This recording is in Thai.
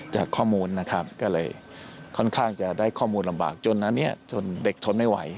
จากข้อมูลนะครับก็เลยค่อนข้างจะได้ข้อมูลลำบากจนอันนี้จนเด็กทนไม่ไหว